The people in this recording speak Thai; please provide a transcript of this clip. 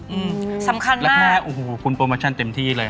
อืมสำคัญมากแรกโอ้โหคุณโปรโมชั่นเต็มที่เลย